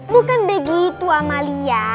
bukan begitu amalia